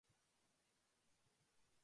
未来は何度でも変えられる